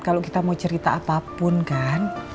kalau kita mau cerita apapun kan